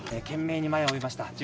懸命に前を追いました。